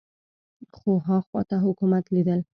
خو ها خوا ته حکومت لیدل